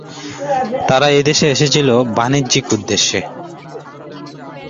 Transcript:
তারা এই দেশে এসেছিলো বাণিজ্যিক উদ্দেশ্যে।